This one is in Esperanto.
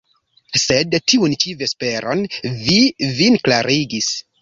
Sed tiun ĉi vesperon vi vin klarigis?